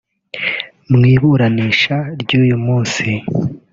Mu iburanisha ry’uyu munsi